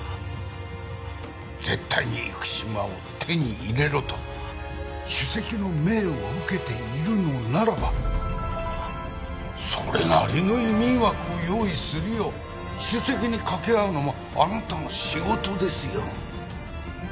絶対に生島を手に入れろと主席の命を受けているのならばそれなりの移民枠を用意するよう主席に掛け合うのもあなたの仕事ですよ